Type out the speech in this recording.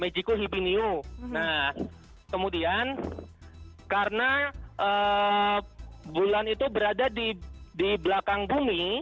nah kemudian karena bulan itu berada di belakang bumi